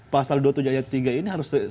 pasal dua puluh tujuh ayat tiga ini harus